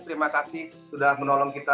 terima kasih sudah menolong kita